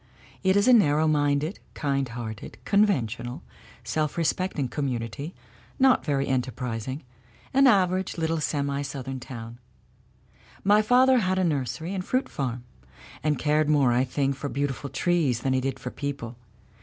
It is a narrow minded, kind hearted, conventional, self respecting community, not very enterprising an aver age little semi Southern town. My father had a nursery and fruit farm, and cared more, I think, for beautiful trees than he did for people.